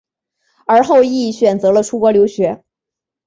而后者亦选择了出国留学。